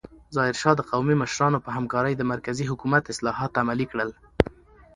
ظاهرشاه د قومي مشرانو په همکارۍ د مرکزي حکومت اصلاحات عملي کړل.